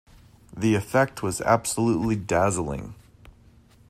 The effect was absolutely dazzling.